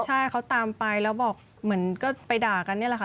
ใช่เขาตามไปแล้วบอกเหมือนก็ไปด่ากันนี่แหละค่ะ